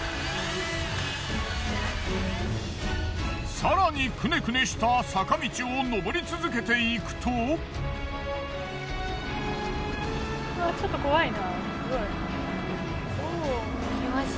更にくねくねした坂道を上り続けていくとわぁちょっと怖いな。